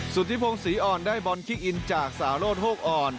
สุดที่พงษ์ศรีอ่อนได้บอลคิกอินจากสาโรธโฮกอ่อน